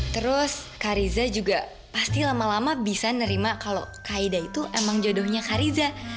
terus kak riza juga pasti lama lama bisa nerima kalau kak ida itu emang jodohnya kak riza